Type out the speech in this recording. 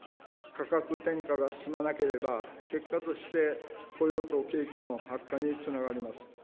価格転嫁が進まなければ、結果として雇用と景気の悪化につながります。